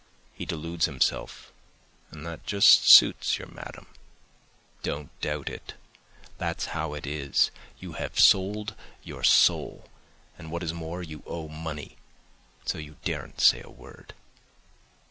He deludes himself And that just suits your madam. Don't doubt it, that's how it is; you have sold your soul, and what is more you owe money, so you daren't say a word.